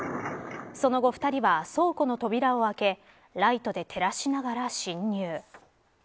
その後２人は、倉庫の扉を開けライトで照らしながら侵入。